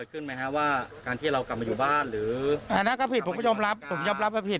เกิดขึ้นมั้ยนะว่าการที่เรากลับมาอยู่บ้านหรือ